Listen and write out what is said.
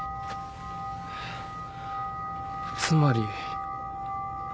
えつまり。